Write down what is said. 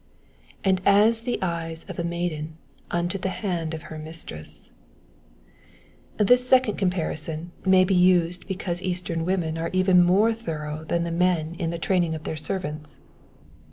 ^^And as the eyes of a maiden unto the hand of her mistress ;^^ this second comparison may be used because Eastern women are even more thorough than the men in the training of their servants.